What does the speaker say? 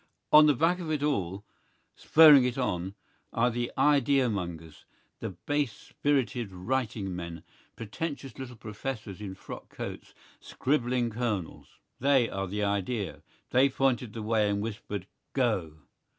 On the back of it all, spurring it on, are the idea mongers, the base spirited writing men, pretentious little professors in frock coats, scribbling colonels. They are the idea. They pointed the way and whispered "Go!"